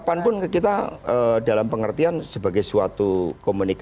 kapanpun kita dalam pengertian sebagai suatu komunikasi